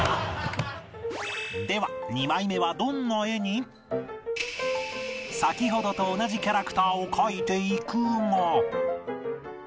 では先ほどと同じキャラクターを描いていくが